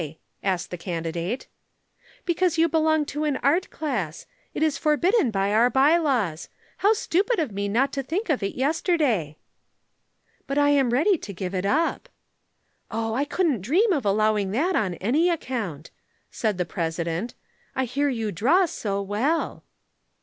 asked the candidate. "Because you belong to an art class. It is forbidden by our by laws. How stupid of me not to think of it yesterday!" "But I am ready to give it up." "Oh, I couldn't dream of allowing that on any account," said the President. "I hear you draw so well."